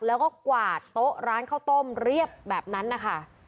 แล้วก็กวาดโต๊ะร้านข้าวต้มเรียบแบบนั้นนะคะ